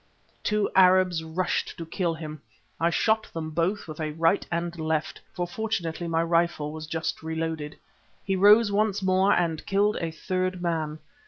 Two Arabs rushed to kill him. I shot them both with a right and left, for fortunately my rifle was just reloaded. He rose once more and killed a third man.